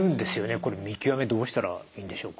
これ見極めどうしたらいいんでしょうか？